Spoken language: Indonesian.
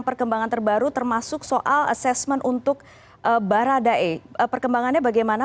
perkembangan terbaru termasuk soal assessment untuk baradae perkembangannya bagaimana